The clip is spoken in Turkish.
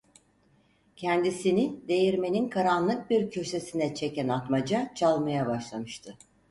Kendisini değirmenin karanlık bir köşesine çeken Atmaca çalmaya başlamıştı.